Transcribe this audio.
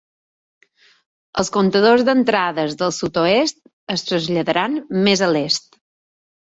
Els comptadors d'entrades del sud-oest es traslladaran més a l'est.